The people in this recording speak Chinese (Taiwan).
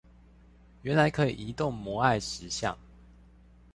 原來可以移動摩艾石像